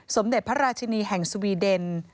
สมเด็จพระราชินีแห่งสวีเดน